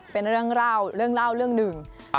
เป็นเรื่องเล่าเรื่องเล่าเรื่องหนึ่ง